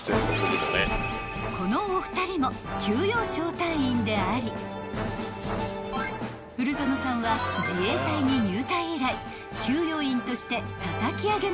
［このお二人も給養小隊員であり古園さんは自衛隊に入隊以来給養員としてたたき上げのベテラン］